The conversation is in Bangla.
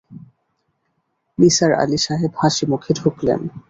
নিসার আলি সাহেব হাসিমুখে ঢুকলেন।